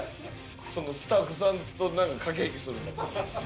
そのスタッフさんとなんか駆け引きするの。